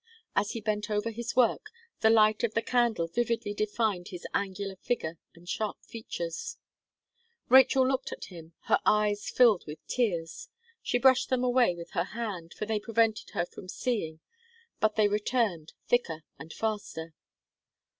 As he bent over his work, the light of the candle vividly defined his angular figure and sharp features. Rachel looked at him; her eyes filled with tears, she brushed them away with her hand, for they prevented her from seeing, but they returned thicker and faster.